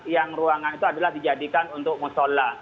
yang ruangan itu adalah dijadikan untuk musola